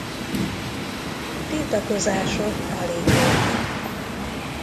Tiltakozások alig voltak.